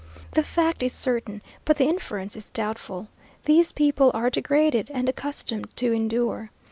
The fact is certain, but the inference is doubtful. These people are degraded, and accustomed to endure.